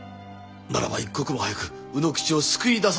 ならば一刻も早く卯之吉を救い出さねばならんぞ。